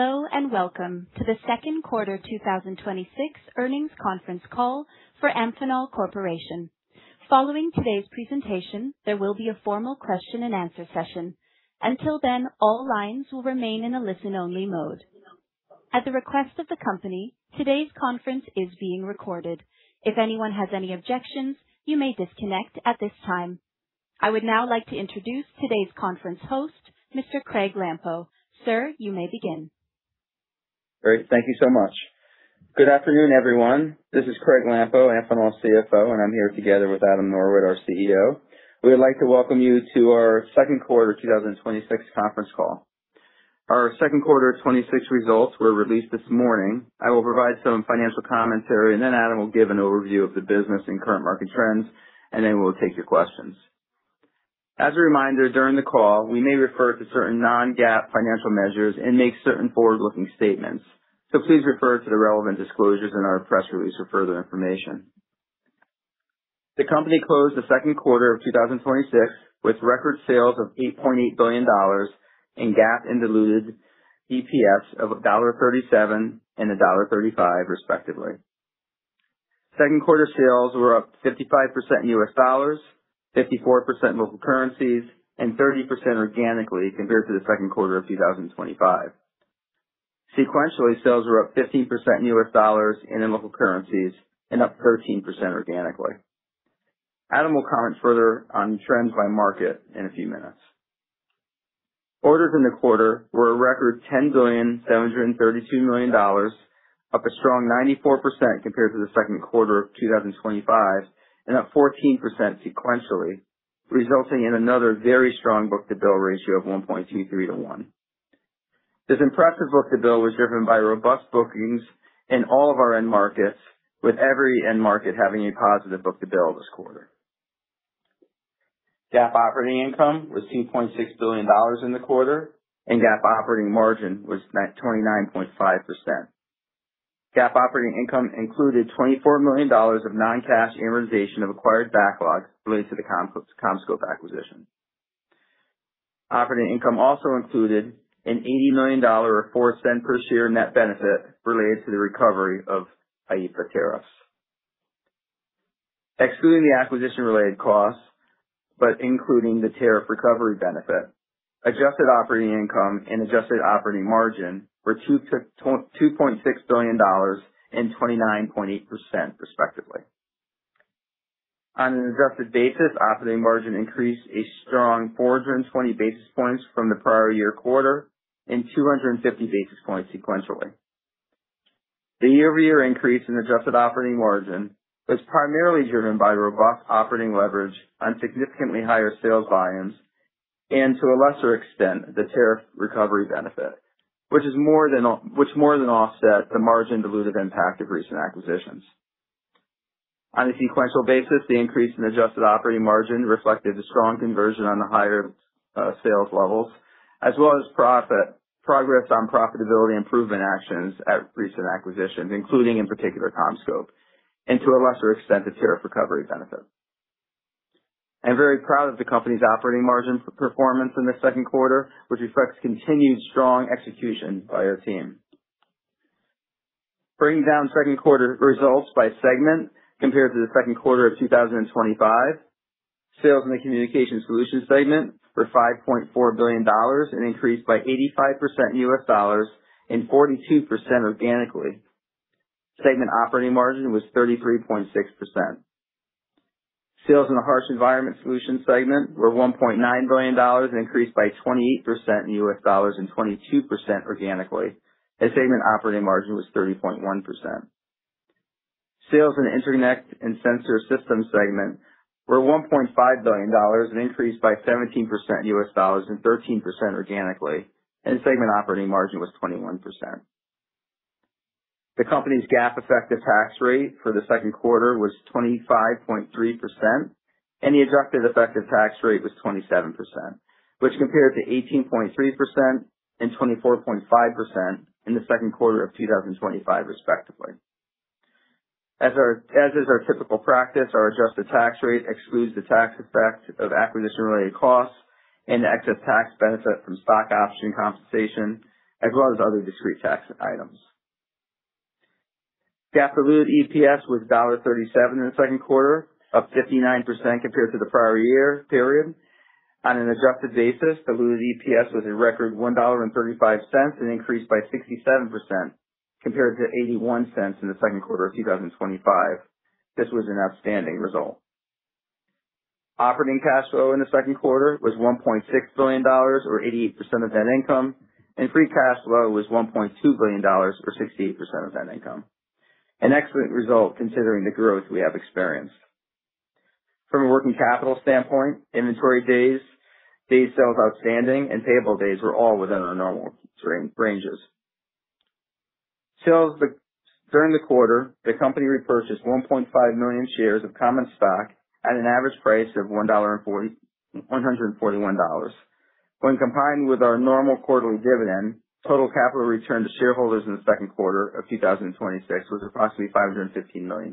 Hello, welcome to the second quarter 2026 earnings conference call for Amphenol Corporation. Following today's presentation, there will be a formal question and answer session. Until then, all lines will remain in a listen-only mode. At the request of the company, today's conference is being recorded. If anyone has any objections, you may disconnect at this time. I would now like to introduce today's conference host, Mr. Craig Lampo. Sir, you may begin. Great. Thank you so much. Good afternoon, everyone. This is Craig Lampo, Amphenol CFO, and I'm here together with Adam Norwitt, our CEO. We would like to welcome you to our second quarter 2026 conference call. Our second quarter 2026 results were released this morning. I will provide some financial commentary, and then Adam will give an overview of the business and current market trends, and then we'll take your questions. As a reminder, during the call, we may refer to certain non-GAAP financial measures and make certain forward-looking statements, so please refer to the relevant disclosures in our press release for further information. The company closed the second quarter of 2026 with record sales of $8.8 billion in GAAP and diluted EPS of $1.37 and $1.35, respectively. Second quarter sales were up 55% in U.S. dollars, 54% in local currencies, and 30% organically compared to the second quarter of 2025. Sequentially, sales were up 15% in U.S. dollars and in local currencies, and up 13% organically. Adam will comment further on trends by market in a few minutes. Orders in the quarter were a record $10.732 billion, up a strong 94% compared to the second quarter of 2025 and up 14% sequentially, resulting in another very strong book-to-bill ratio of 1.23:1. This impressive book-to-bill was driven by robust bookings in all of our end markets, with every end market having a positive book-to-bill this quarter. GAAP operating income was $2.6 billion in the quarter, and GAAP operating margin was at 29.5%. GAAP operating income included $24 million of non-cash amortization of acquired backlog related to the CommScope acquisition. Operating income also included an $80 million or $0.04 per share net benefit related to the recovery of IEEPA tariffs. Excluding the acquisition-related costs, but including the tariff recovery benefit, adjusted operating income and adjusted operating margin were $2.6 billion and 29.8%, respectively. On an adjusted basis, operating margin increased a strong 420 basis points from the prior year quarter and 250 basis points sequentially. The year-over-year increase in adjusted operating margin was primarily driven by robust operating leverage on significantly higher sales volumes and, to a lesser extent, the tariff recovery benefit, which more than offset the margin dilutive impact of recent acquisitions. On a sequential basis, the increase in adjusted operating margin reflected a strong conversion on the higher sales levels as well as progress on profitability improvement actions at recent acquisitions, including, in particular, CommScope, and to a lesser extent, the tariff recovery benefit. I am very proud of the company's operating margin performance in the second quarter, which reflects continued strong execution by our team. Breaking down second quarter results by segment compared to the second quarter of 2025, sales in the Communications Solutions segment were $5.4 billion and increased by 85% in U.S. dollars and 42% organically. Segment operating margin was 33.6%. Sales in the Harsh Environment Solutions segment were $1.9 billion and increased by 28% in U.S. dollars and 22% organically, and segment operating margin was 30.1%. Sales in the Interconnect and Sensor Systems segment were $1.5 billion, an increase by 17% in U.S. dollars and 13% organically, and segment operating margin was 21%. The company's GAAP effective tax rate for the second quarter was 25.3%, and the adjusted effective tax rate was 27%, which compared to 18.3% and 24.5% in the second quarter of 2025, respectively. As is our typical practice, our adjusted tax rate excludes the tax effect of acquisition-related costs and the excess tax benefit from stock option compensation, as well as other discrete tax items. GAAP diluted EPS was $1.37 in the second quarter, up 59% compared to the prior year period. On an adjusted basis, diluted EPS was a record $1.35, an increase by 67%, compared to $0.81 in the second quarter of 2025. This was an outstanding result. Operating cash flow in the second quarter was $1.6 billion, or 88% of net income, and free cash flow was $1.2 billion, or 68% of net income. An excellent result considering the growth we have experienced. From a working capital standpoint, inventory days sales outstanding, and payable days were all within our normal ranges. During the quarter, the company repurchased 1.5 million shares of common stock at an average price of $141. When combined with our normal quarterly dividend, total capital return to shareholders in the second quarter of 2026 was approximately $515 million.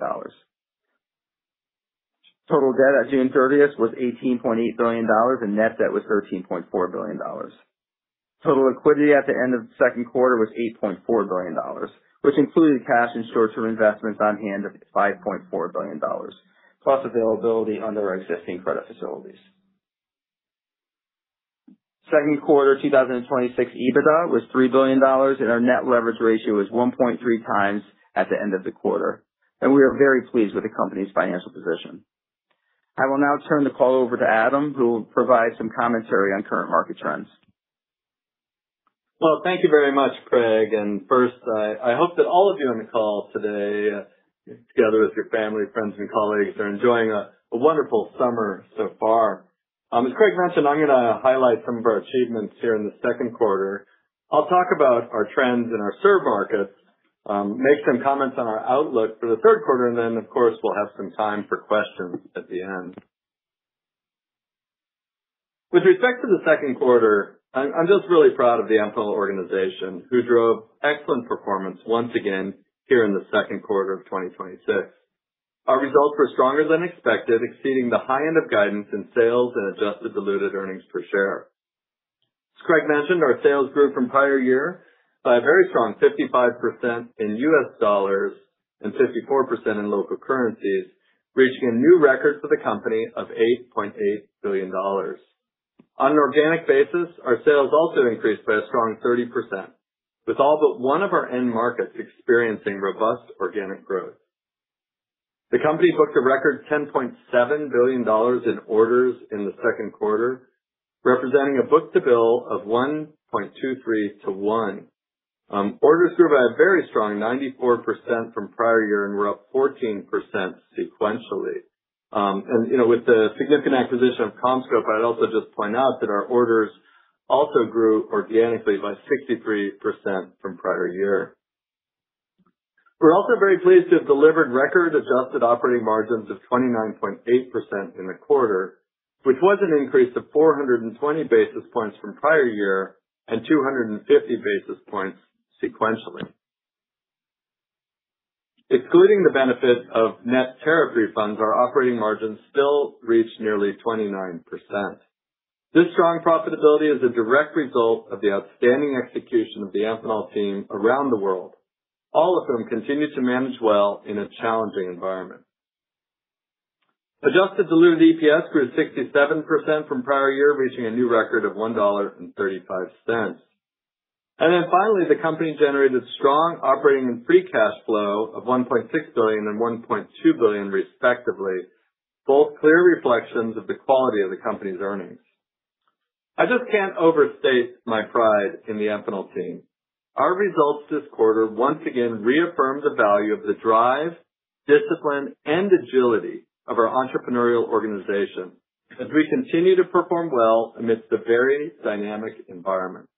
Total debt at June 30th was $18.8 billion, and net debt was $13.4 billion. Total liquidity at the end of the second quarter was $8.4 billion, which included cash and short-term investments on hand of $5.4 billion, plus availability under our existing credit facilities. Second quarter 2026 EBITDA was $3 billion, and our net leverage ratio was 1.3x at the end of the quarter, and we are very pleased with the company's financial position. I will now turn the call over to Adam, who will provide some commentary on current market trends. Well, thank you very much, Craig. First, I hope that all of you on the call today, together with your family, friends, and colleagues, are enjoying a wonderful summer so far. As Craig mentioned, I'm going to highlight some of our achievements here in the second quarter. I'll talk about our trends in our served markets, make some comments on our outlook for the third quarter, then, of course, we'll have some time for questions at the end. With respect to the second quarter, I'm just really proud of the Amphenol organization, who drove excellent performance once again here in the second quarter of 2026. Our results were stronger than expected, exceeding the high end of guidance in sales and adjusted diluted earnings per share. As Craig mentioned, our sales grew from prior year by a very strong 55% in U.S. dollars and 54% in local currencies, reaching a new record for the company of $8.8 billion. On an organic basis, our sales also increased by a strong 30%, with all but one of our end markets experiencing robust organic growth. The company booked a record $10.7 billion in orders in the second quarter, representing a book-to-bill of 1.23:1. Orders grew by a very strong 94% from prior year and were up 14% sequentially. With the significant acquisition of CommScope, I'd also just point out that our orders also grew organically by 63% from prior year. We're also very pleased to have delivered record adjusted operating margins of 29.8% in the quarter, which was an increase of 420 basis points from prior year and 250 basis points sequentially. Excluding the benefit of net tariff refunds, our operating margins still reached nearly 29%. This strong profitability is a direct result of the outstanding execution of the Amphenol team around the world, all of whom continue to manage well in a challenging environment. Adjusted diluted EPS grew 67% from prior year, reaching a new record of $1.35. Finally, the company generated strong operating and free cash flow of $1.6 billion and $1.2 billion respectively, both clear reflections of the quality of the company's earnings. I just can't overstate my pride in the Amphenol team. Our results this quarter once again reaffirmed the value of the drive, discipline, and agility of our entrepreneurial organization as we continue to perform well amidst a very dynamic environment.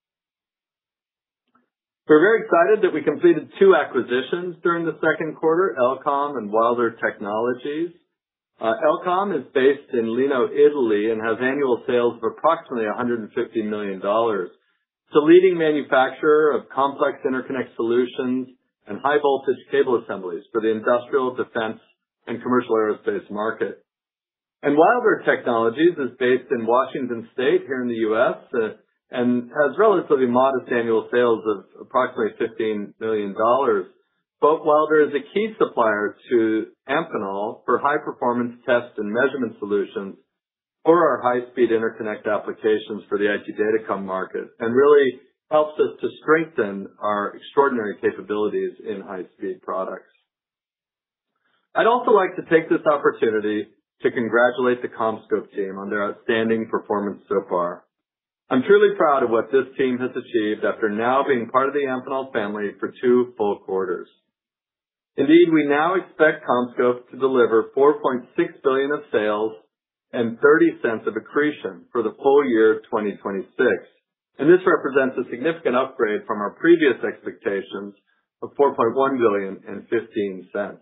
We're very excited that we completed two acquisitions during the second quarter, El.Com Srl and Wilder Technologies. El.Com Srl is based in Leno, Italy, and has annual sales of approximately $150 million. It's a leading manufacturer of complex interconnect solutions and high-voltage cable assemblies for the industrial defense and commercial aerospace market. Wilder Technologies is based in Washington State here in the U.S. and has relatively modest annual sales of approximately $15 million. Both Wilder is a key supplier to Amphenol for high-performance test and measurement solutions for our high-speed interconnect applications for the IT datacom market, and really helps us to strengthen our extraordinary capabilities in high-speed products. I'd also like to take this opportunity to congratulate the CommScope team on their outstanding performance so far. I'm truly proud of what this team has achieved after now being part of the Amphenol family for two full quarters. Indeed, we now expect CommScope to deliver $4.6 billion of sales and $0.30 of accretion for the full-year of 2026, and this represents a significant upgrade from our previous expectations of $4.1 billion and $0.15.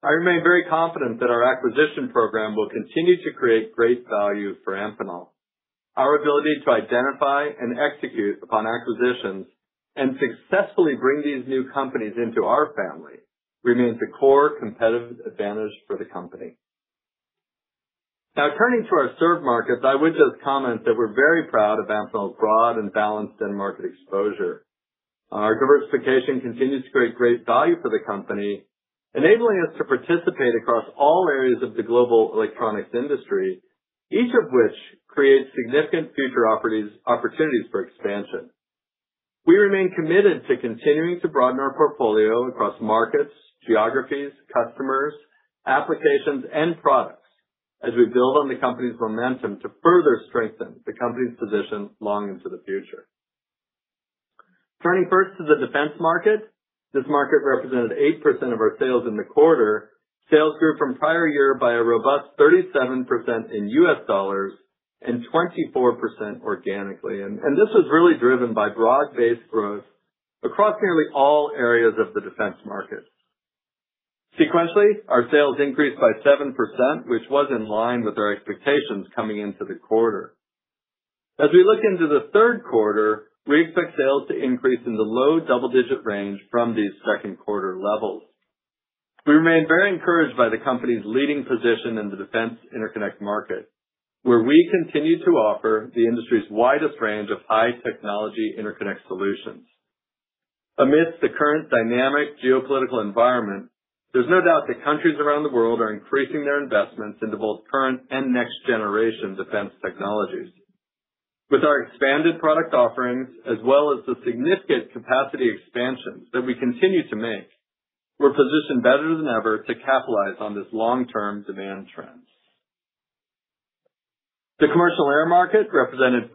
I remain very confident that our acquisition program will continue to create great value for Amphenol. Our ability to identify and execute upon acquisitions and successfully bring these new companies into our family remains a core competitive advantage for the company. Now turning to our served markets, I would just comment that we're very proud of Amphenol's broad and balanced end market exposure. Our diversification continues to create great value for the company, enabling us to participate across all areas of the global electronics industry, each of which creates significant future opportunities for expansion. We remain committed to continuing to broaden our portfolio across markets, geographies, customers, applications, and products as we build on the company's momentum to further strengthen the company's position long into the future. Turning first to the defense market, this market represented 8% of our sales in the quarter. Sales grew from prior year by a robust 37% in U.S. dollars and 24% organically. This was really driven by broad-based growth across nearly all areas of the defense market. Sequentially, our sales increased by 7%, which was in line with our expectations coming into the quarter. As we look into the third quarter, we expect sales to increase in the low double-digit range from these second quarter levels. We remain very encouraged by the company's leading position in the defense interconnect market, where we continue to offer the industry's widest range of high-technology interconnect solutions. Amidst the current dynamic geopolitical environment, there's no doubt that countries around the world are increasing their investments into both current and next-generation defense technologies. With our expanded product offerings, as well as the significant capacity expansions that we continue to make, we're positioned better than ever to capitalize on this long-term demand trend. The commercial air market represented 4%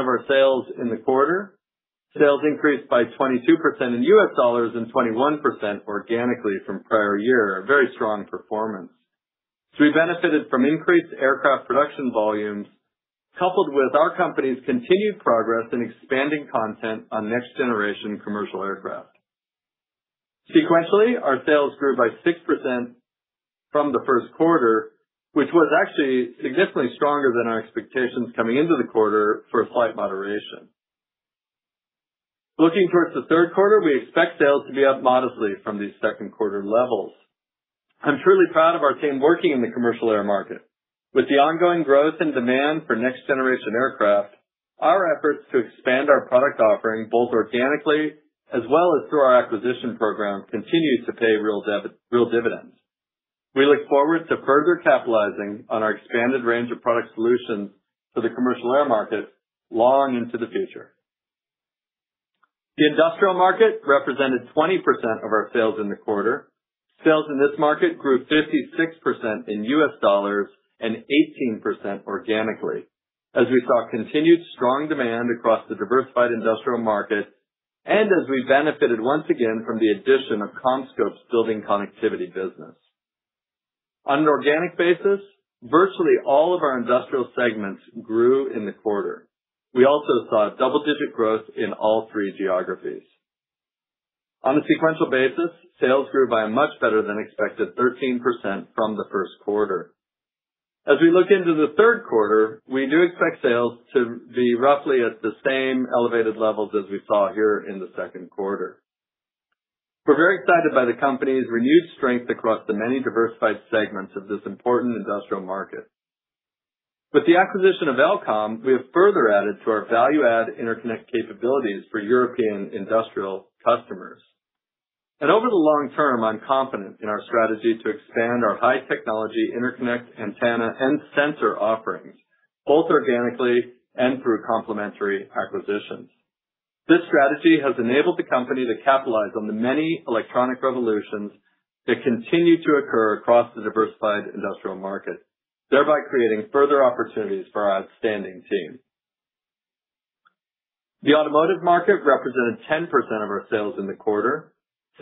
of our sales in the quarter. Sales increased by 22% in U.S. dollars and 21% organically from prior year, a very strong performance, as we benefited from increased aircraft production volumes coupled with our company's continued progress in expanding content on next-generation commercial aircraft. Sequentially, our sales grew by 6% from the first quarter, which was actually significantly stronger than our expectations coming into the quarter for a slight moderation. Looking towards the third quarter, we expect sales to be up modestly from these second quarter levels. I'm truly proud of our team working in the commercial air market. With the ongoing growth and demand for next-generation aircraft, our efforts to expand our product offering, both organically as well as through our acquisition program, continues to pay real dividends. We look forward to further capitalizing on our expanded range of product solutions for the commercial air market long into the future. The industrial market represented 20% of our sales in the quarter. Sales in this market grew 56% in U.S. dollars and 18% organically, as we saw continued strong demand across the diversified industrial market, and as we benefited once again from the addition of CommScope's building connectivity business. On an organic basis, virtually all of our industrial segments grew in the quarter. We also saw double-digit growth in all three geographies. On a sequential basis, sales grew by a much better than expected 13% from the first quarter. As we look into the third quarter, we do expect sales to be roughly at the same elevated levels as we saw here in the second quarter. We're very excited by the company's renewed strength across the many diversified segments of this important industrial market. With the acquisition of El.Com Srl, we have further added to our value-add interconnect capabilities for European industrial customers. Over the long term, I'm confident in our strategy to expand our high-technology interconnect, antenna, and sensor offerings, both organically and through complementary acquisitions. This strategy has enabled the company to capitalize on the many electronic revolutions that continue to occur across the diversified industrial market, thereby creating further opportunities for our outstanding team. The automotive market represented 10% of our sales in the quarter.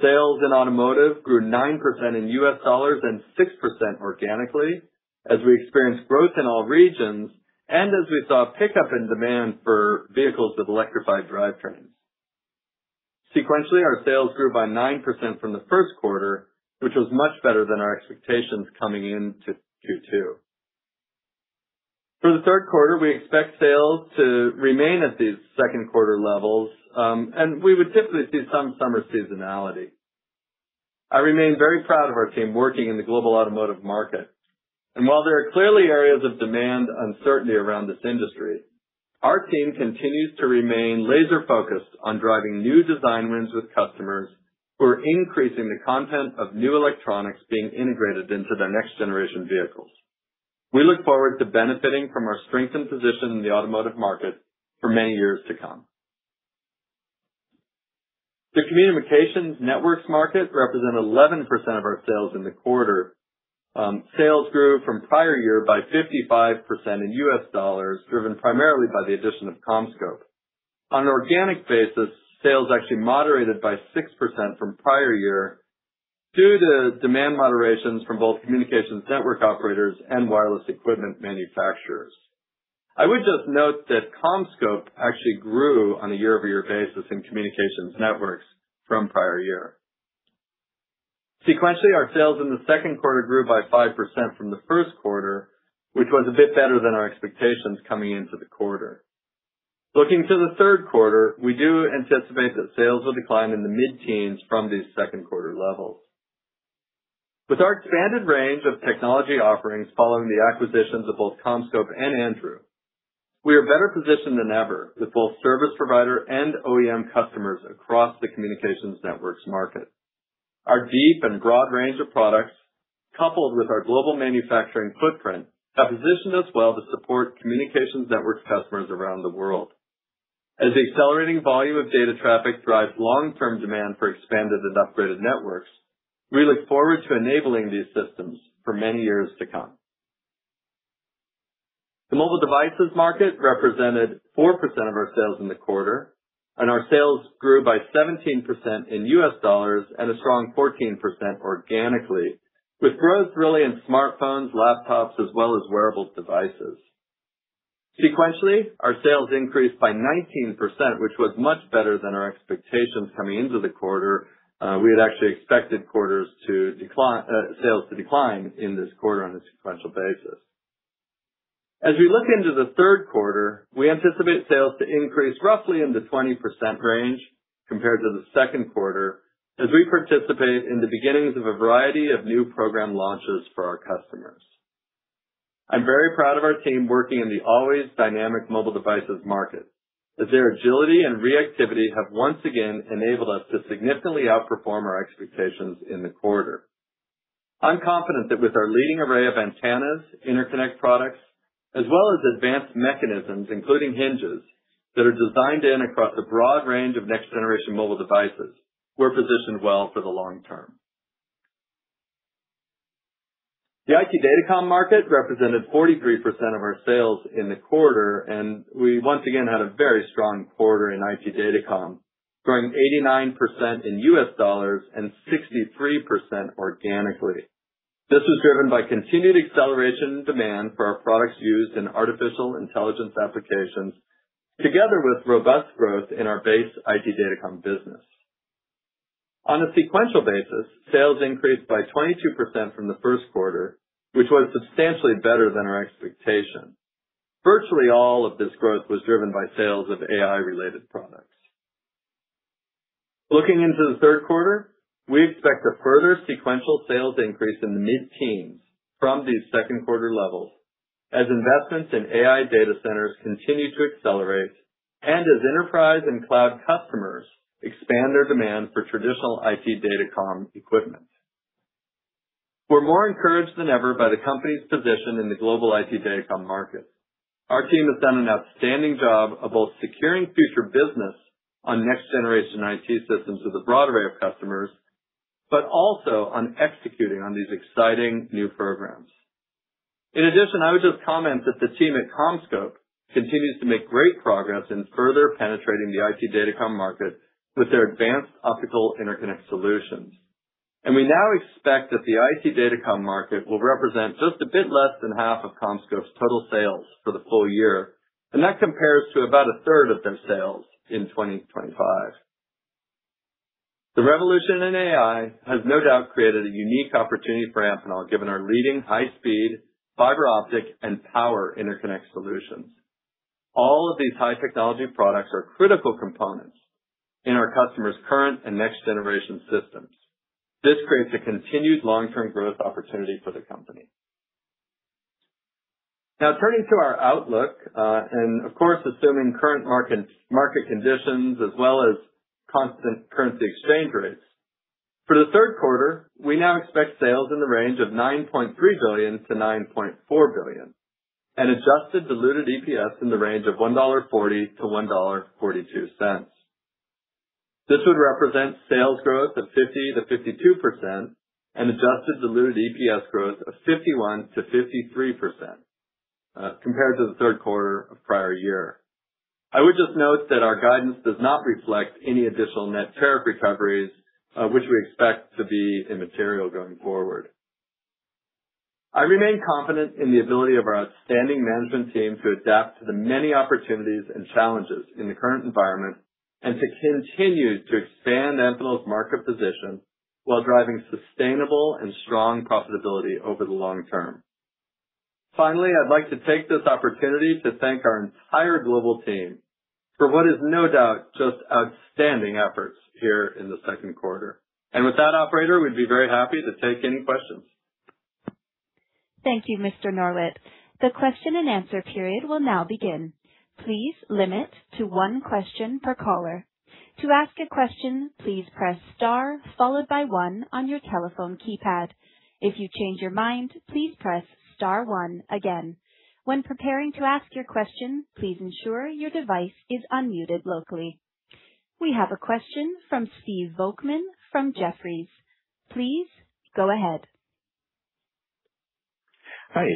Sales in automotive grew 9% in U.S. dollars and 6% organically, as we experienced growth in all regions, and as we saw a pickup in demand for vehicles with electrified drivetrains. Sequentially, our sales grew by 9% from the first quarter, which was much better than our expectations coming into Q2. For the third quarter, we expect sales to remain at these second quarter levels, and we would typically see some summer seasonality. I remain very proud of our team working in the global automotive market. While there are clearly areas of demand uncertainty around this industry, our team continues to remain laser-focused on driving new design wins with customers who are increasing the content of new electronics being integrated into their next-generation vehicles. We look forward to benefiting from our strengthened position in the automotive market for many years to come. The communications networks market represent 11% of our sales in the quarter. Sales grew from prior year by 55% in U.S. dollars, driven primarily by the addition of CommScope. On an organic basis, sales actually moderated by 6% from prior year due to demand moderations from both communications network operators and wireless equipment manufacturers. I would just note that CommScope actually grew on a year-over-year basis in communications networks from prior year. Sequentially, our sales in the second quarter grew by 5% from the first quarter, which was a bit better than our expectations coming into the quarter. Looking to the third quarter, we do anticipate that sales will decline in the mid-teens from these second quarter levels. With our expanded range of technology offerings following the acquisitions of both CommScope and ANDREW, we are better positioned than ever with both service provider and OEM customers across the communications networks market. Our deep and broad range of products, coupled with our global manufacturing footprint, have positioned us well to support communications network customers around the world. As the accelerating volume of data traffic drives long-term demand for expanded and upgraded networks, we look forward to enabling these systems for many years to come. The mobile devices market represented 4% of our sales in the quarter. Our sales grew by 17% in U.S. dollars and a strong 14% organically, with growth really in smartphones, laptops, as well as wearable devices. Sequentially, our sales increased by 19%, which was much better than our expectations coming into the quarter. We had actually expected sales to decline in this quarter on a sequential basis. As we look into the third quarter, we anticipate sales to increase roughly in the 20% range compared to the second quarter as we participate in the beginnings of a variety of new program launches for our customers. I'm very proud of our team working in the always dynamic mobile devices market, as their agility and reactivity have once again enabled us to significantly outperform our expectations in the quarter. I'm confident that with our leading array of antennas, interconnect products, as well as advanced mechanisms, including hinges, that are designed in across a broad range of next-generation mobile devices, we're positioned well for the long term. The IT datacom market represented 43% of our sales in the quarter. We once again had a very strong quarter in IT datacom, growing 89% in U.S. dollars and 63% organically. This was driven by continued acceleration in demand for our products used in artificial intelligence applications, together with robust growth in our base IT datacom business. On a sequential basis, sales increased by 22% from the first quarter, which was substantially better than our expectation. Virtually all of this growth was driven by sales of AI-related products. Looking into the third quarter, we expect a further sequential sales increase in the mid-teens from these second quarter levels as investments in AI data centers continue to accelerate. Enterprise and cloud customers expand their demand for traditional IT datacom equipment. We're more encouraged than ever by the company's position in the global IT datacom market. Our team has done an outstanding job of both securing future business on next-generation IT systems with a broad array of customers, also on executing on these exciting new programs. In addition, I would just comment that the team at CommScope continues to make great progress in further penetrating the IT datacom market with their advanced optical interconnect solutions. We now expect that the IT datacom market will represent just a bit less than half of CommScope's total sales for the full-year. That compares to about a third of their sales in 2025. The revolution in AI has no doubt created a unique opportunity for Amphenol, given our leading high-speed, fiber optic, and power interconnect solutions. All of these high-technology products are critical components in our customers' current and next-generation systems. This creates a continued long-term growth opportunity for the company. Now, turning to our outlook, of course, assuming current market conditions as well as constant currency exchange rates. For the third quarter, we now expect sales in the range of $9.3 billion-$9.4 billion. Adjusted diluted EPS in the range of $1.40-$1.42. This would represent sales growth of 50%-52%. Adjusted diluted EPS growth of 51%-53%, compared to the third quarter of prior year. I would just note that our guidance does not reflect any additional net tariff recoveries, which we expect to be immaterial going forward. I remain confident in the ability of our outstanding management team to adapt to the many opportunities and challenges in the current environment and to continue to expand Amphenol's market position while driving sustainable and strong profitability over the long term. Finally, I'd like to take this opportunity to thank our entire global team for what is no doubt just outstanding efforts here in the second quarter. With that, operator, we'd be very happy to take any questions. Thank you, Mr. Norwitt. The question and answer period will now begin. Please limit to one question per caller. To ask a question, please press star followed by one on your telephone keypad. If you change your mind, please press star one again. When preparing to ask your question, please ensure your device is unmuted locally. We have a question from Steve Volkmann from Jefferies. Please go ahead. Hi.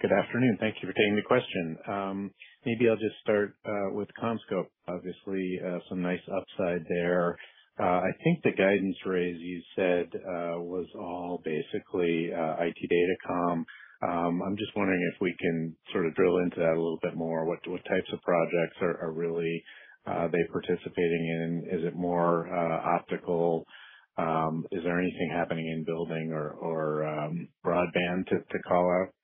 Good afternoon. Thank you for taking the question. Maybe I'll just start with CommScope, obviously, some nice upside there. I think the guidance raise you said, was all basically, IT datacom. I'm just wondering if we can sort of drill into that a little bit more. What types of projects are they participating in? Is it more optical? Is there anything happening in building or broadband to call out?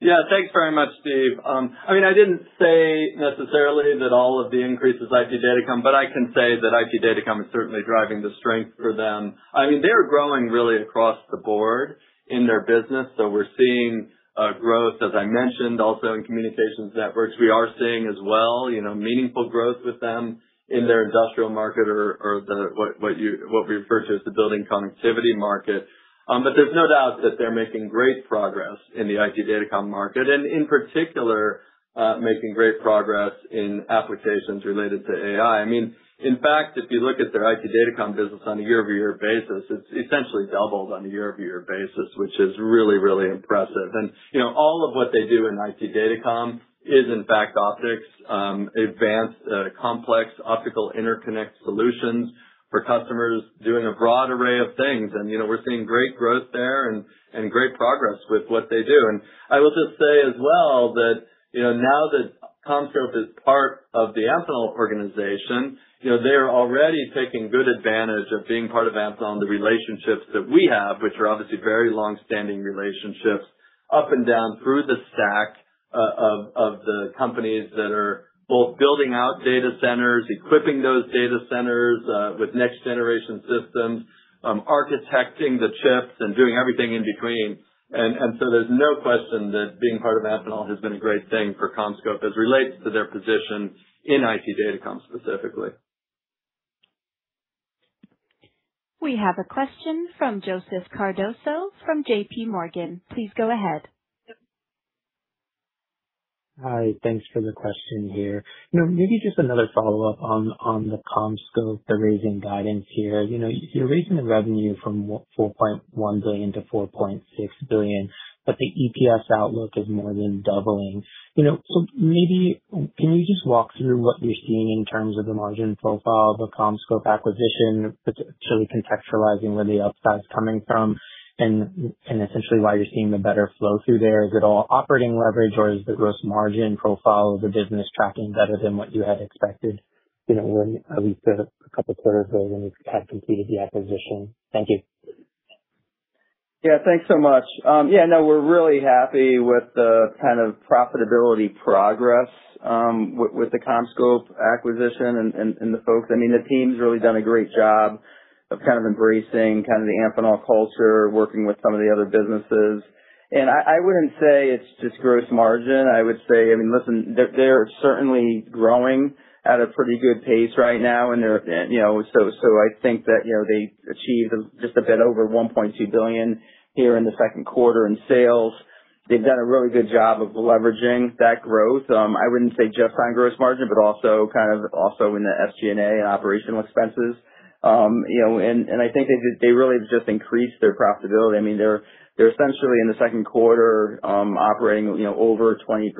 Yeah. Thanks very much, Steve. I didn't say necessarily that all of the increase is IT datacom, I can say that IT datacom is certainly driving the strength for them. They're growing really across the board in their business. We're seeing growth, as I mentioned, also in communications networks. We are seeing as well meaningful growth with them in their industrial market or what we refer to as the building connectivity market. There's no doubt that they're making great progress in the IT datacom market, and in particular, making great progress in applications related to AI. In fact, if you look at their IT datacom business on a year-over-year basis, it's essentially doubled on a year-over-year basis, which is really, really impressive. All of what they do in IT datacom is, in fact, optics, advanced, complex optical interconnect solutions for customers doing a broad array of things. We're seeing great growth there and great progress with what they do. I will just say as well that now that CommScope is part of the Amphenol organization. They're already taking good advantage of being part of Amphenol and the relationships that we have, which are obviously very longstanding relationships up and down through the stack of the companies that are both building out data centers, equipping those data centers with next generation systems, architecting the chips, and doing everything in between. There's no question that being part of Amphenol has been a great thing for CommScope as it relates to their position in IT datacom specifically. We have a question from Joseph Cardoso from JPMorgan. Please go ahead. Hi. Thanks for the question here. Maybe just another follow-up on the CommScope raising guidance here. You're raising the revenue from $4.1 billion-$4.6 billion, but the EPS outlook is more than doubling. Maybe can you just walk through what you're seeing in terms of the margin profile of the CommScope acquisition, particularly contextualizing where the upside is coming from and essentially why you're seeing the better flow through there? Is it all operating leverage or is the gross margin profile of the business tracking better than what you had expected at least a couple of quarters ago when you had completed the acquisition? Thank you. Yeah, thanks so much. Yeah, no, we're really happy with the kind of profitability progress with the CommScope acquisition and the folks. The team's really done a great job of embracing the Amphenol culture, working with some of the other businesses. I wouldn't say it's just gross margin. I would say, listen, they're certainly growing at a pretty good pace right now, and so I think that they achieved just a bit over $1.2 billion here in the second quarter in sales. They've done a really good job of leveraging that growth. I wouldn't say just on gross margin, but also in the SG&A and operational expenses. I think they really just increased their profitability. They're essentially in the second quarter operating over 20%,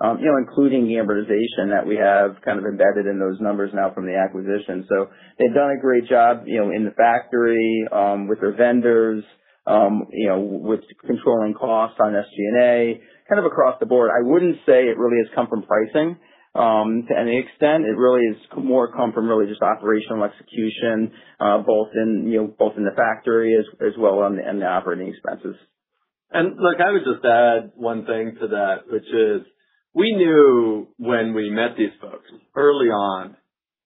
including the amortization that we have embedded in those numbers now from the acquisition. They've done a great job in the factory, with their vendors, with controlling costs on SG&A, across the board. I wouldn't say it really has come from pricing. To an extent, it really has more come from really just operational execution both in the factory as well and the operating expenses. Look, I would just add one thing to that, which is we knew when we met these folks early on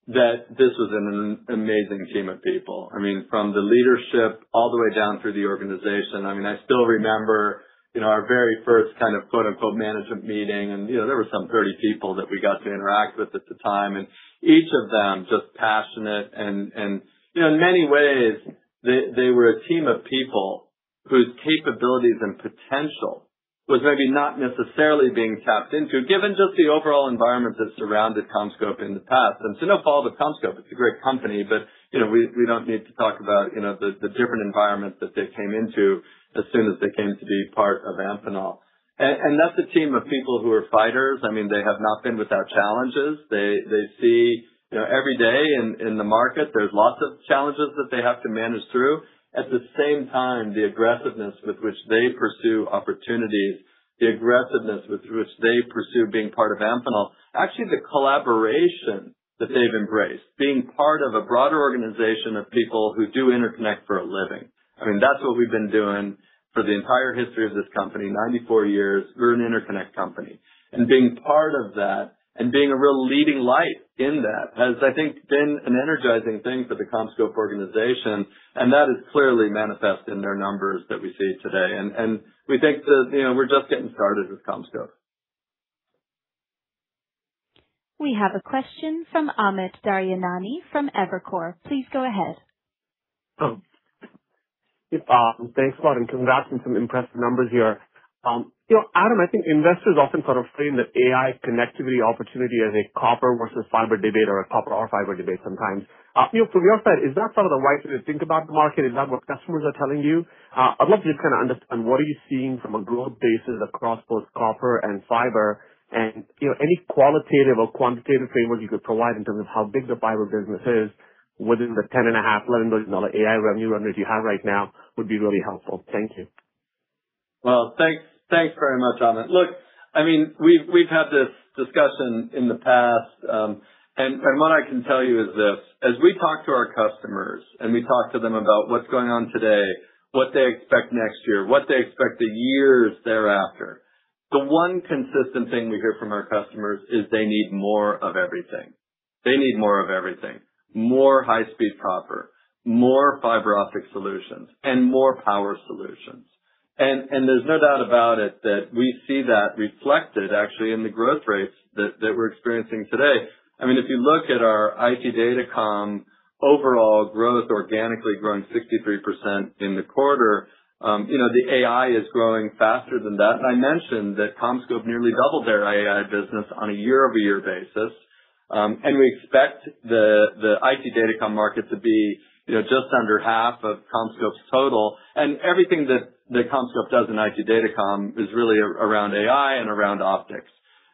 that this was an amazing team of people. From the leadership all the way down through the organization. I still remember our very first kind of quote-unquote, "management meeting," and there were some 30 people that we got to interact with at the time, and each of them just passionate. In many ways, they were a team of people whose capabilities and potential was maybe not necessarily being tapped into, given just the overall environment that surrounded CommScope in the past. No fault of CommScope, it's a great company, but we don't need to talk about the different environments that they came into as soon as they came to be part of Amphenol. That's a team of people who are fighters. They have not been without challenges. They see every day in the market there's lots of challenges that they have to manage through. At the same time, the aggressiveness with which they pursue opportunities, the aggressiveness with which they pursue being part of Amphenol. Actually, the collaboration that they've embraced, being part of a broader organization of people who do interconnect for a living. That's what we've been doing for the entire history of this company. 94 years. We're an interconnect company. Being part of that and being a real leading light in that has, I think, been an energizing thing for the CommScope organization, and that is clearly manifest in their numbers that we see today. We think that we're just getting started with CommScope. We have a question from Amit Daryanani from Evercore. Please go ahead. Thanks a lot and congrats on some impressive numbers here. Adam, I think investors often sort of frame the AI connectivity opportunity as a copper versus fiber debate or a copper or fiber debate sometimes. From your side, is that sort of the right way to think about the market? Is that what customers are telling you? I'd love to just kind of understand what are you seeing from a growth basis across both copper and fiber and any qualitative or quantitative frameworks you could provide in terms of how big the fiber business is within the $10.5 billion-$11 billion AI revenue run rate you have right now would be really helpful. Thank you. Thanks very much, Amit. We've had this discussion in the past, and what I can tell you is this: as we talk to our customers and we talk to them about what's going on today, what they expect next year, what they expect the years thereafter, the one consistent thing we hear from our customers is they need more of everything. They need more of everything. More high-speed copper, more fiber optic solutions, and more power solutions. There's no doubt about it that we see that reflected actually in the growth rates that we're experiencing today. If you look at our IT datacom overall growth organically growing 63% in the quarter. The AI is growing faster than that. I mentioned that CommScope nearly doubled their AI business on a year-over-year basis. We expect the IT datacom market to be just under half of CommScope's total. Everything that CommScope does in IT datacom is really around AI and around optics.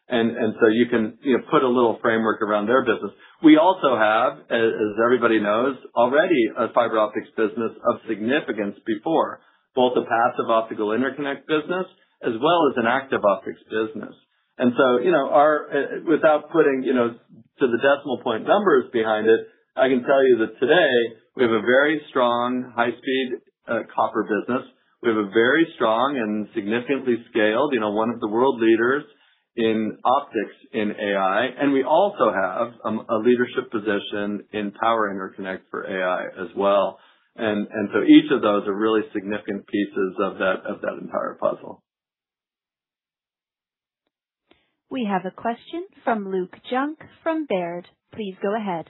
You can put a little framework around their business. We also have, as everybody knows already, a fiber optics business of significance before, both a passive optical interconnect business as well as an active optics business. To the decimal point numbers behind it, I can tell you that today we have a very strong high-speed copper business. We have a very strong and significantly scaled, one of the world leaders in optics in AI, and we also have a leadership position in power interconnect for AI as well. Each of those are really significant pieces of that entire puzzle. We have a question from Luke Junk from Baird. Please go ahead.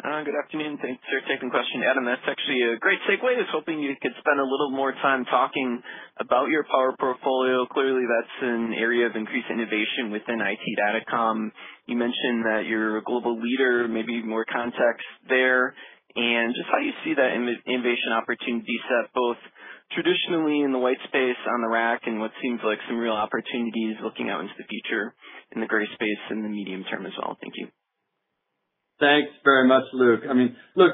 Good afternoon. Thanks for taking the question. Adam, that's actually a great segue. I was hoping you could spend a little more time talking about your power portfolio. Clearly, that's an area of increased innovation within IT datacom. You mentioned that you're a global leader, maybe more context there, and just how you see that innovation opportunity set, both traditionally in the white space on the rack and what seems like some real opportunities looking out into the future in the gray space in the medium term as well. Thank you. Thanks very much, Luke. Look,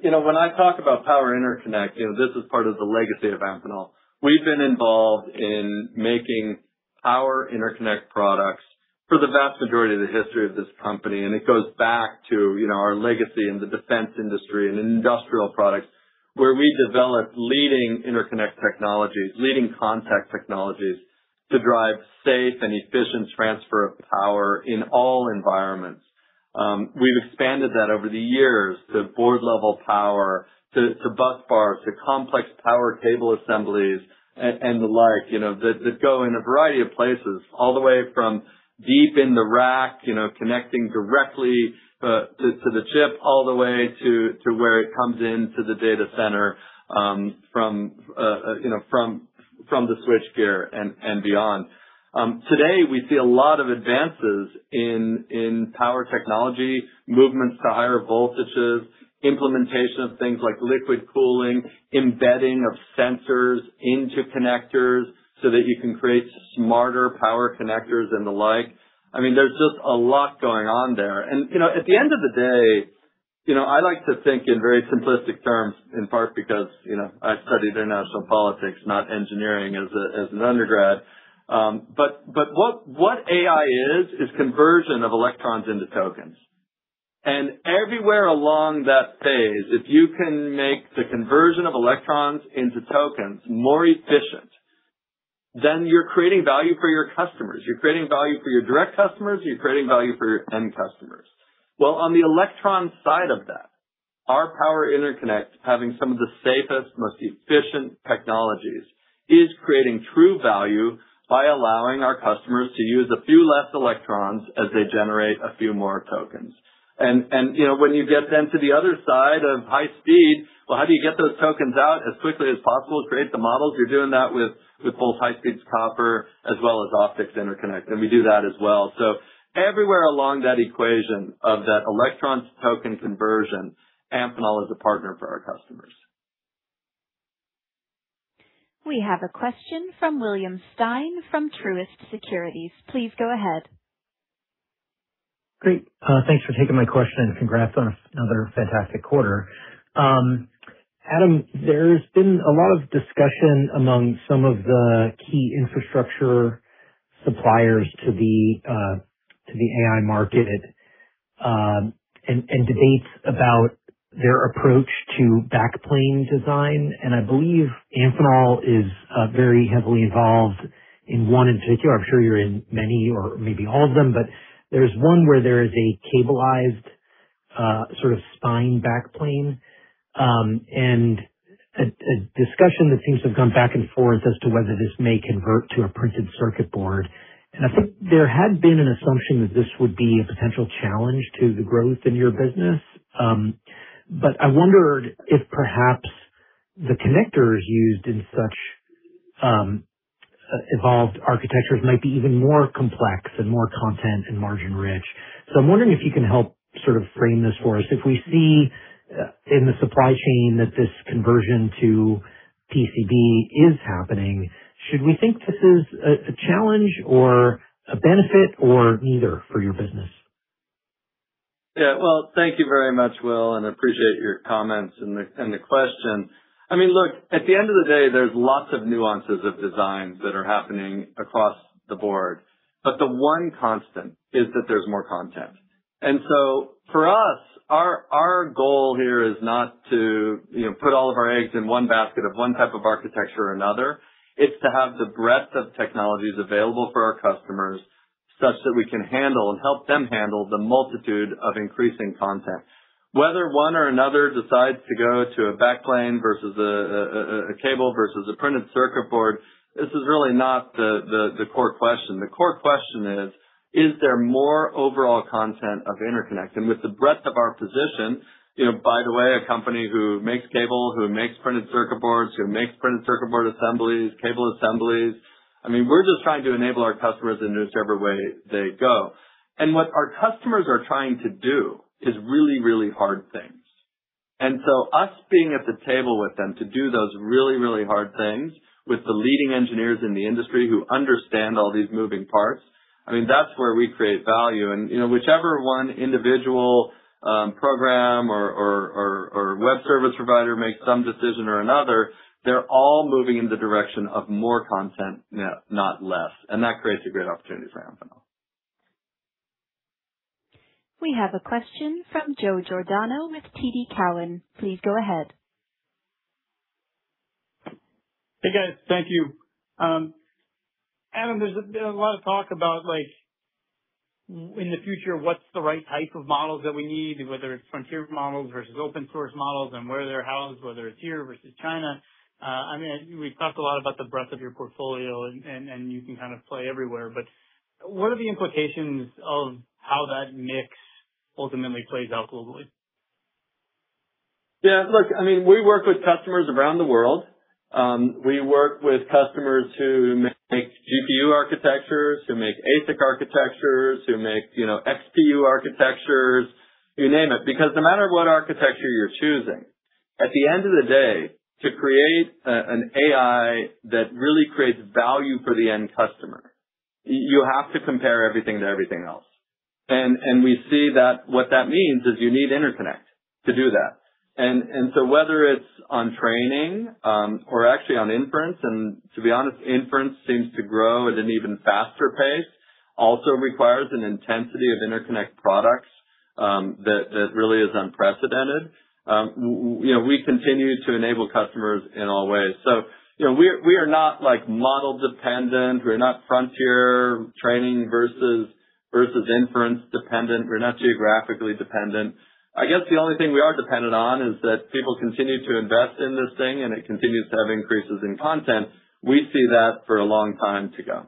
when I talk about power interconnect, this is part of the legacy of Amphenol. We've been involved in making power interconnect products for the vast majority of the history of this company, and it goes back to our legacy in the defense industry and industrial products, where we developed leading interconnect technologies, leading contact technologies to drive safe and efficient transfer of power in all environments. We've expanded that over the years to board-level power, to bus bars, to complex power cable assemblies, and the like, that go in a variety of places, all the way from deep in the rack, connecting directly to the chip, all the way to where it comes into the data center from the switchgear and beyond. Today, we see a lot of advances in power technology, movements to higher voltages, implementation of things like liquid cooling, embedding of sensors into connectors so that you can create smarter power connectors and the like. There's just a lot going on there. At the end of the day, I like to think in very simplistic terms, in part because I studied international politics, not engineering as an undergrad. What AI is conversion of electrons into tokens. Everywhere along that phase, if you can make the conversion of electrons into tokens more efficient, then you're creating value for your customers. You're creating value for your direct customers, you're creating value for your end customers. On the electron side of that, our power interconnect, having some of the safest, most efficient technologies, is creating true value by allowing our customers to use a few less electrons as they generate a few more tokens. When you get then to the other side of high speed, well, how do you get those tokens out as quickly as possible to create the models? You're doing that with both high-speed copper as well as optics interconnect, and we do that as well. Everywhere along that equation of that electrons token conversion, Amphenol is a partner for our customers. We have a question from William Stein from Truist Securities. Please go ahead. Great. Thanks for taking my question and congrats on another fantastic quarter. Adam, there's been a lot of discussion among some of the key infrastructure suppliers to the AI market, debates about their approach to backplane design, and I believe Amphenol is very heavily involved in one in particular. I'm sure you're in many or maybe all of them, but there's one where there is a cableized sort of spine backplane, and a discussion that seems to have gone back and forth as to whether this may convert to a printed circuit board. I think there had been an assumption that this would be a potential challenge to the growth in your business. I wondered if perhaps the connectors used in such evolved architectures might be even more complex and more content and margin rich. I'm wondering if you can help sort of frame this for us. If we see in the supply chain that this conversion to PCB is happening, should we think this is a challenge or a benefit or neither for your business? Thank you very much, Will, appreciate your comments and the question. At the end of the day, there's lots of nuances of designs that are happening across the board, the one constant is that there's more content. For us, our goal here is not to put all of our eggs in one basket of one type of architecture or another. It's to have the breadth of technologies available for our customers such that we can handle and help them handle the multitude of increasing content. Whether one or another decides to go to a backplane versus a cable versus a printed circuit board, this is really not the core question. The core question is: Is there more overall content of interconnect? With the breadth of our position, by the way, a company who makes cable, who makes printed circuit boards, who makes printed circuit board assemblies, cable assemblies, we're just trying to enable our customers in whichever way they go. What our customers are trying to do is really, really hard things. Us being at the table with them to do those really, really hard things with the leading engineers in the industry who understand all these moving parts, that's where we create value. Whichever one individual program or web service provider makes some decision or another, they're all moving in the direction of more content, not less. That creates a great opportunity for Amphenol. We have a question from Joe Giordano with TD Cowen. Please go ahead. Guys. Thank you. Adam, there's been a lot of talk about, in the future, what's the right type of models that we need, whether it's frontier models versus open source models and where they're housed, whether it's here versus China. We've talked a lot about the breadth of your portfolio, you can play everywhere, what are the implications of how that mix ultimately plays out globally? Look, we work with customers around the world. We work with customers who make GPU architectures, who make ASIC architectures, who make XPU architectures, you name it. Because no matter what architecture you're choosing, at the end of the day, to create an AI that really creates value for the end customer, you have to compare everything to everything else. We see that what that means is you need interconnect to do that. Whether it's on training or actually on inference, and to be honest, inference seems to grow at an even faster pace, also requires an intensity of interconnect products that really is unprecedented. We continue to enable customers in all ways. We are not model-dependent, we're not frontier training versus inference dependent. We're not geographically dependent. I guess the only thing we are dependent on is that people continue to invest in this thing, and it continues to have increases in content. We see that for a long time to go.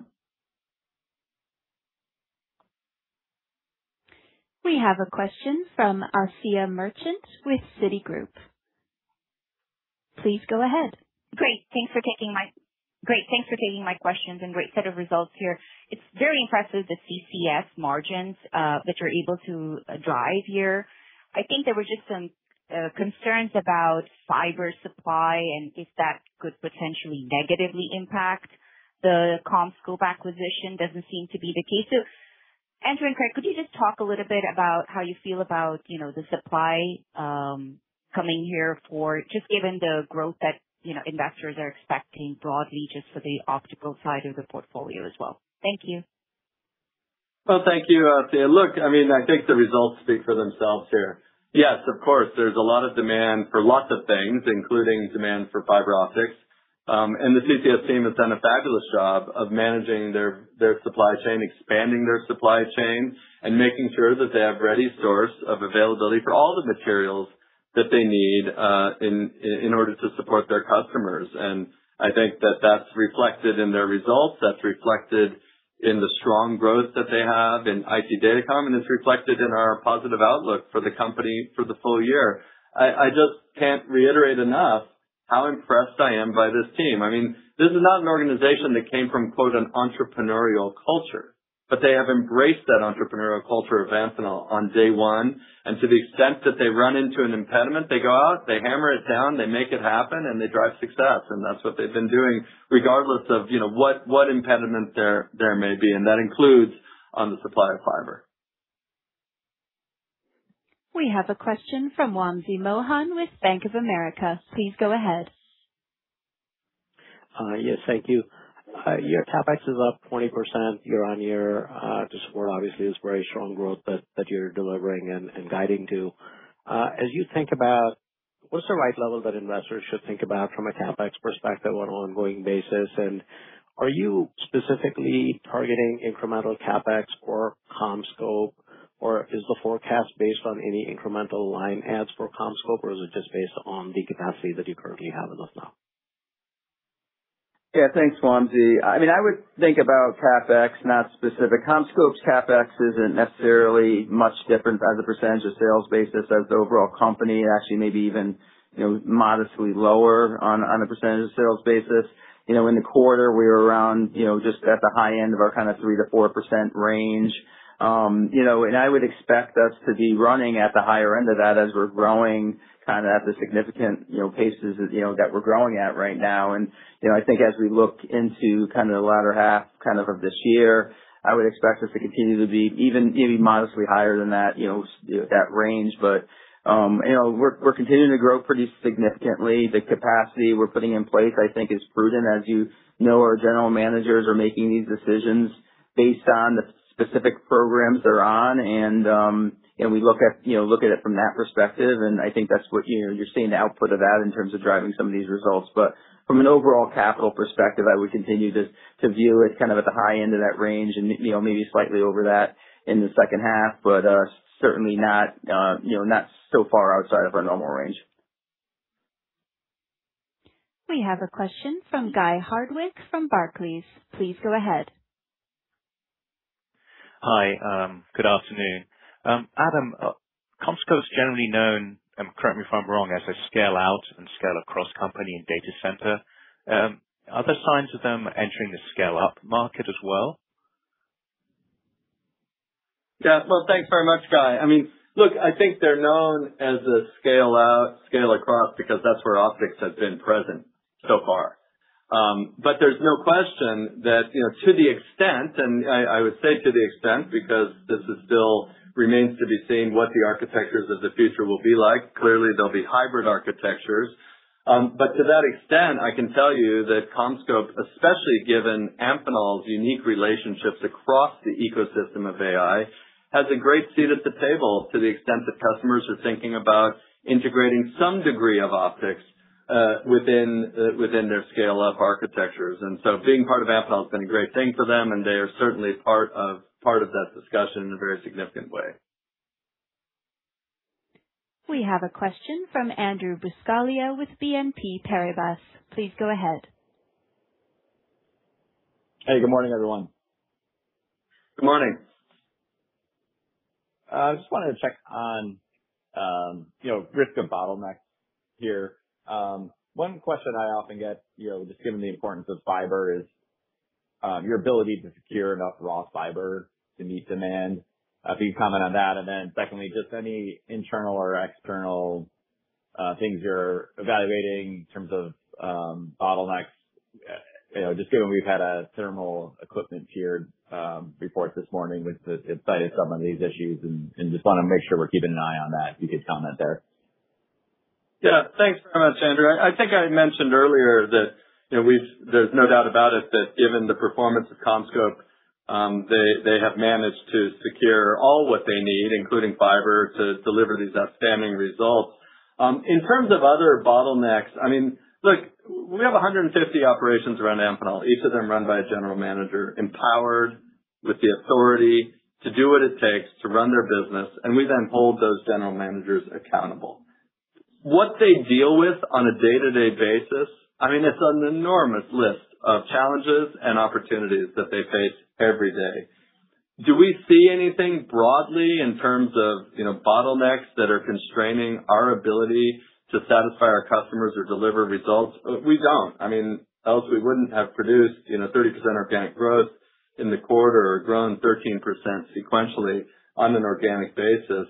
We have a question from Asiya Merchant with Citigroup. Please go ahead. Great. Thanks for taking my questions, and great set of results here. It's very impressive, the CCS margins that you're able to drive here. I think there were just some concerns about fiber supply and if that could potentially negatively impact the CommScope acquisition, doesn't seem to be the case. Adam and Craig, could you just talk a little bit about how you feel about the supply coming here just given the growth that investors are expecting broadly just for the optical side of the portfolio as well. Thank you. Well, thank you, Asiya. Look, I think the results speak for themselves here. Yes, of course, there's a lot of demand for lots of things, including demand for fiber optics. The CCS team has done a fabulous job of managing their supply chain, expanding their supply chain, and making sure that they have ready source of availability for all the materials that they need in order to support their customers. I think that that's reflected in their results. That's reflected in the strong growth that they have in IT datacom, and it's reflected in our positive outlook for the company for the full-year. I just can't reiterate enough how impressed I am by this team. This is not an organization that came from, quote, an entrepreneurial culture, but they have embraced that entrepreneurial culture at Amphenol on day one. To the extent that they run into an impediment, they go out, they hammer it down, they make it happen, and they drive success. That's what they've been doing, regardless of what impediment there may be. That includes on the supply of fiber. We have a question from Wamsi Mohan with Bank of America. Please go ahead. Yes, thank you. Your CapEx is up 20% year-on-year. This quarter, obviously, is very strong growth that you're delivering and guiding to. As you think about what's the right level that investors should think about from a CapEx perspective on an ongoing basis, and are you specifically targeting incremental CapEx for CommScope, or is the forecast based on any incremental line adds for CommScope, or is it just based on the capacity that you currently have in those now? Thanks, Wamsi. I would think about CapEx, not specific. CommScope's CapEx isn't necessarily much different as a percentage of sales basis as the overall company. Actually, maybe even modestly lower on a percentage of sales basis. In the quarter, we were around just at the high end of our 3%-4% range. I would expect us to be running at the higher end of that as we're growing at the significant paces that we're growing at right now. I think as we look into the latter half of this year, I would expect us to continue to be even modestly higher than that range. We're continuing to grow pretty significantly. The capacity we're putting in place, I think, is prudent. As you know, our general managers are making these decisions based on the specific programs they're on. We look at it from that perspective, I think that's what you're seeing the output of that in terms of driving some of these results. From an overall capital perspective, I would continue to view it at the high end of that range and maybe slightly over that in the second half, but certainly not so far outside of our normal range. We have a question from Guy Hardwick from Barclays. Please go ahead. Hi. Good afternoon. Adam, CommScope's generally known, correct me if I'm wrong, as a scale-out and scale-across company in data center. Are there signs of them entering the scale-up market as well? Yeah. Well, thanks very much, Guy. Look, I think they're known as a scale-out, scale-across because that's where optics has been present so far. There's no question that to the extent, and I would say to the extent, because this still remains to be seen what the architectures of the future will be like. Clearly, there'll be hybrid architectures. To that extent, I can tell you that CommScope, especially given Amphenol's unique relationships across the ecosystem of AI, has a great seat at the table to the extent that customers are thinking about integrating some degree of optics within their scale-up architectures. Being part of Amphenol has been a great thing for them, and they are certainly part of that discussion in a very significant way. We have a question from Andrew Buscaglia with BNP Paribas. Please go ahead. Hey, good morning, everyone. Good morning. I just wanted to check on risk of bottlenecks here. One question I often get, just given the importance of fiber, is your ability to secure enough raw fiber to meet demand. If you could comment on that, and then secondly, just any internal or external things you're evaluating in terms of bottlenecks, just given we've had a thermal equipment tiered report this morning which cited some of these issues, and just want to make sure we're keeping an eye on that, if you could comment there. Yeah. Thanks very much, Andrew. I think I mentioned earlier that there's no doubt about it that given the performance of CommScope, they have managed to secure all that they need, including fiber, to deliver these outstanding results. In terms of other bottlenecks, look, we have 150 operations around Amphenol, each of them run by a general manager, empowered with the authority to do what it takes to run their business, and we then hold those general managers accountable. What they deal with on a day-to-day basis, it's an enormous list of challenges and opportunities that they face every day. Do we see anything broadly in terms of bottlenecks that are constraining our ability to satisfy our customers or deliver results? We don't. Else we wouldn't have produced 30% organic growth in the quarter or grown 13% sequentially on an organic basis.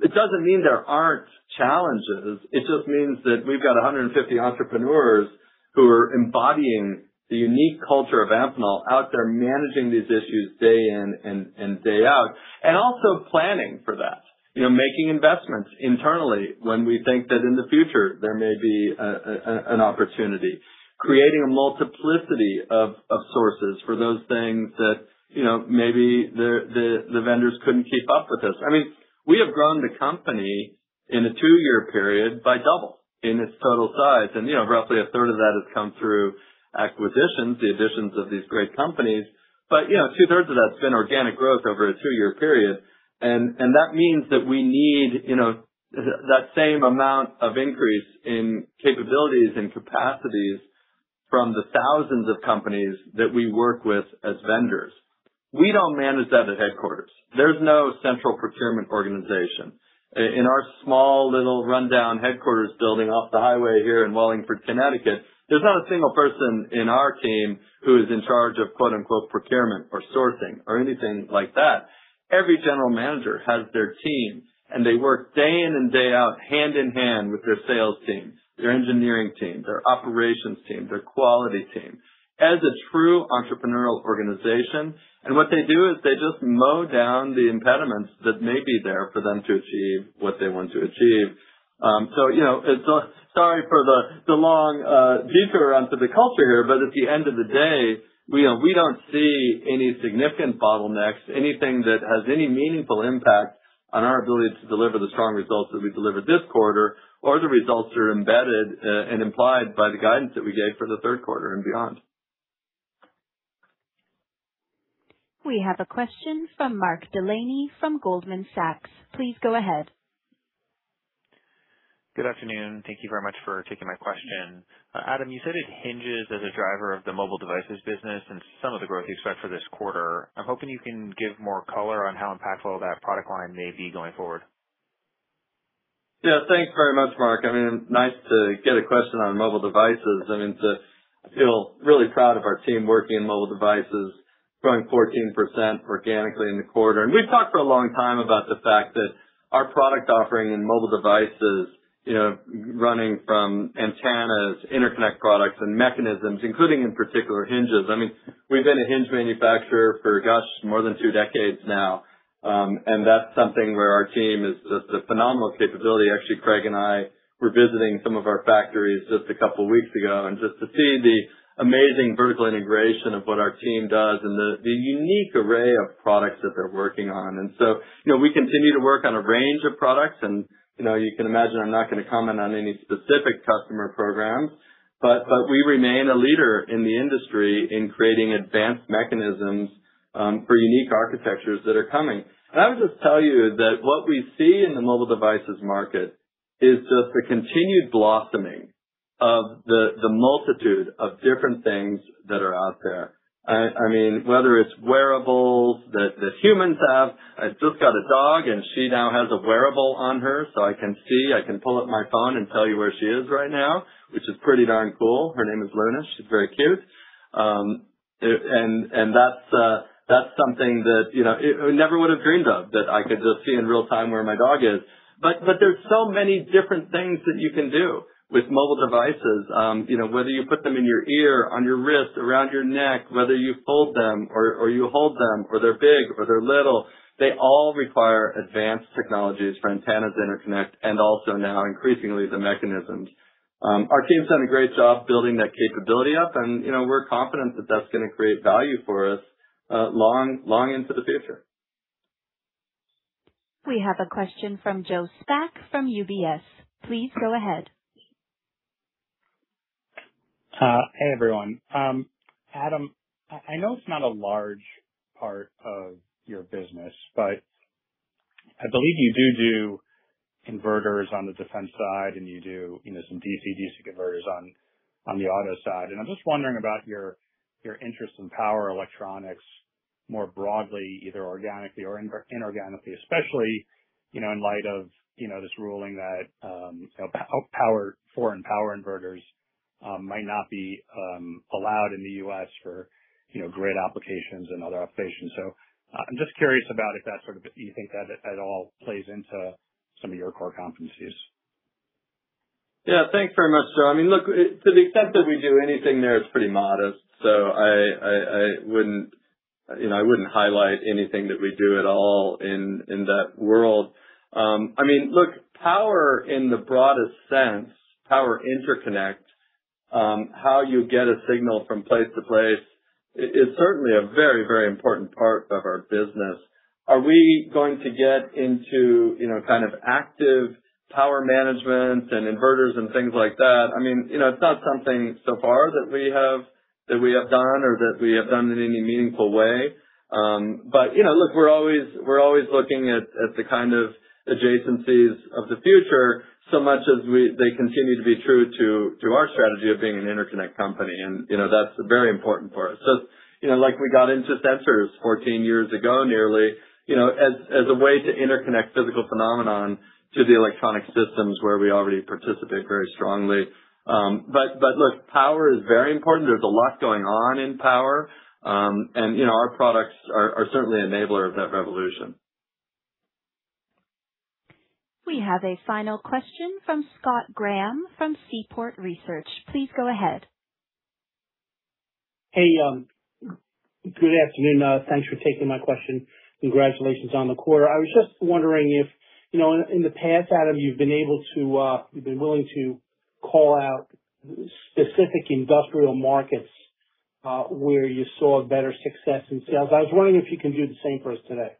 It doesn't mean there aren't challenges. It just means that we've got 150 entrepreneurs who are embodying the unique culture of Amphenol out there managing these issues day in and day out, and also planning for that. Making investments internally when we think that in the future there may be an opportunity. Creating a multiplicity of sources for those things that maybe the vendors couldn't keep up with this. We have grown the company in a two-year period by double in its total size. Roughly a third of that has come through acquisitions, the additions of these great companies. 2/3 of that's been organic growth over a two-year period. That means that we need that same amount of increase in capabilities and capacities from the thousands of companies that we work with as vendors. We don't manage that at headquarters. There's no central procurement organization. In our small little rundown headquarters building off the highway here in Wallingford, Connecticut, there's not a single person in our team who is in charge of "procurement" or sourcing or anything like that. Every general manager has their team, and they work day in and day out, hand in hand with their sales team, their engineering team, their operations team, their quality team, as a true entrepreneurial organization. What they do is they just mow down the impediments that may be there for them to achieve what they want to achieve. Sorry for the long detour onto the culture here. At the end of the day, we don't see any significant bottlenecks, anything that has any meaningful impact on our ability to deliver the strong results that we delivered this quarter, or the results that are embedded and implied by the guidance that we gave for the third quarter and beyond. We have a question from Mark Delaney from Goldman Sachs. Please go ahead. Good afternoon. Thank you very much for taking my question. Adam, you said that hinges as a driver of the mobile devices business and some of the growth you expect for this quarter. I'm hoping you can give more color on how impactful that product line may be going forward. Thanks very much, Mark. Nice to get a question on mobile devices. I feel really proud of our team working in mobile devices, growing 14% organically in the quarter. We've talked for a long time about the fact that our product offering in mobile devices, running from antennas, interconnect products, and mechanisms, including, in particular, hinges. We've been a hinge manufacturer for, gosh, more than two decades now. That's something where our team is just a phenomenal capability. Actually, Craig and I were visiting some of our factories just a couple of weeks ago, just to see the amazing vertical integration of what our team does and the unique array of products that they're working on. So we continue to work on a range of products. You can imagine, I'm not going to comment on any specific customer programs, but we remain a leader in the industry in creating advanced mechanisms for unique architectures that are coming. I would just tell you that what we see in the mobile devices market is just the continued blossoming of the multitude of different things that are out there. Whether it's wearables that humans have. I just got a dog, and she now has a wearable on her, so I can see. I can pull up my phone and tell you where she is right now, which is pretty darn cool. Her name is Luna. She's very cute. That's something that I never would've dreamed of, that I could just see in real time where my dog is. There's so many different things that you can do with mobile devices. Whether you put them in your ear, on your wrist, around your neck, whether you fold them or you hold them, or they're big, or they're little, they all require advanced technologies for antennas interconnect, and also now increasingly, the mechanisms. Our team's done a great job building that capability up, and we're confident that that's going to create value for us long into the future. We have a question from Joe Spak from UBS. Please go ahead. Hey, everyone. Adam, I know it's not a large part of your business, but I believe you do inverters on the defense side, and you do some DC-DC converters on the auto side. I'm just wondering about your interest in power electronics more broadly, either organically or inorganically, especially in light of this ruling that foreign power inverters might not be allowed in the U.S. for great applications and other applications. I'm just curious about if you think that at all plays into some of your core competencies. Yeah. Thanks very much, Joe. Look, to the extent that we do anything there, it's pretty modest. I wouldn't highlight anything that we do at all in that world. Look, power in the broadest sense, power interconnect, how you get a signal from place to place is certainly a very, very important part of our business. Are we going to get into kind of active power management and inverters and things like that? It's not something so far that we have done or that we have done in any meaningful way. Look, we're always looking at the kind of adjacencies of the future so much as they continue to be true to our strategy of being an interconnect company. That's very important for us. Like we got into sensors 14 years ago nearly, as a way to interconnect physical phenomenon to the electronic systems where we already participate very strongly. Look, power is very important. There's a lot going on in power. Our products are certainly an enabler of that revolution. We have a final question from Scott Graham from Seaport Research. Please go ahead. Hey, good afternoon. Thanks for taking my question. Congratulations on the quarter. I was just wondering if in the past, Adam, you've been willing to call out specific industrial markets, where you saw better success in sales. I was wondering if you can do the same for us today.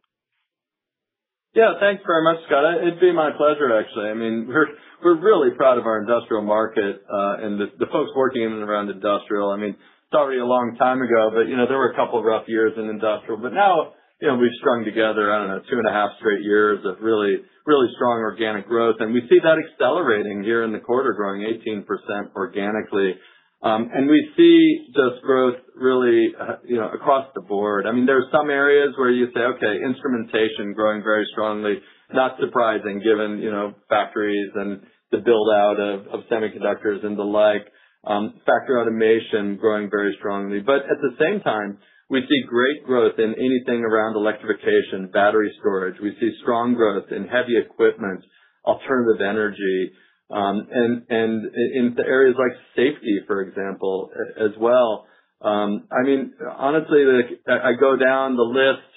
Yeah. Thanks very much, Scott. It'd be my pleasure, actually. We're really proud of our industrial market, and the folks working around industrial. Sorry, a long time ago, there were a couple of rough years in industrial. Now, we've strung together, I don't know, two and a half straight years of really strong organic growth, and we see that accelerating here in the quarter, growing 18% organically. We see this growth really across the board. There's some areas where you say, okay, instrumentation growing very strongly. Not surprising given factories and the build-out of semiconductors and the like. Factory automation growing very strongly. At the same time, we see great growth in anything around electrification, battery storage. We see strong growth in heavy equipment, alternative energy, and in the areas like safety, for example, as well. Honestly, I go down the list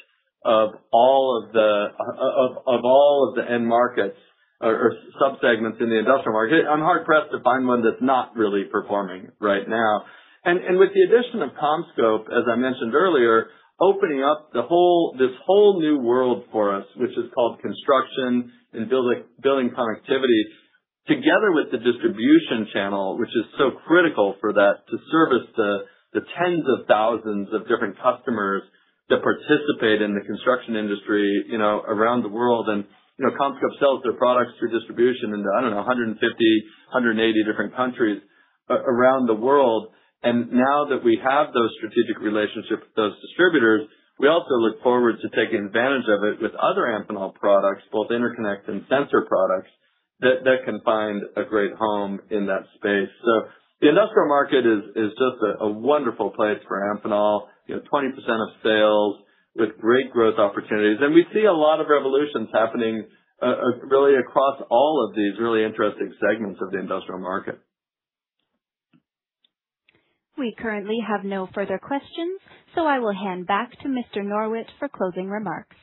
of all of the end markets or subsegments in the industrial market, I'm hard-pressed to find one that's not really performing right now. With the addition of CommScope, as I mentioned earlier, opening up this whole new world for us, which is called construction and building connectivity, together with the distribution channel, which is so critical for that to service the tens of thousands of different customers that participate in the construction industry around the world. CommScope sells their products through distribution into, I don't know, 150, 180 different countries around the world. Now that we have those strategic relationships with those distributors, we also look forward to taking advantage of it with other Amphenol products, both interconnect and sensor products, that can find a great home in that space. The industrial market is just a wonderful place for Amphenol. 20% of sales with great growth opportunities. We see a lot of revolutions happening really across all of these really interesting segments of the industrial market. We currently have no further questions, I will hand back to Mr. Norwitt for closing remarks.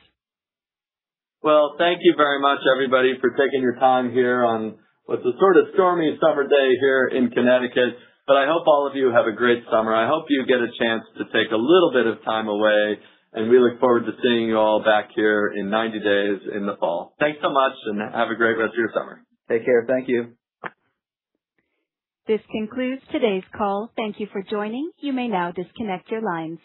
Well, thank you very much, everybody, for taking your time here on what's a sort of stormy summer day here in Connecticut. I hope all of you have a great summer. I hope you get a chance to take a little bit of time away, and we look forward to seeing you all back here in 90 days in the fall. Thanks so much, and have a great rest of your summer. Take care. Thank you. This concludes today's call. Thank you for joining. You may now disconnect your lines.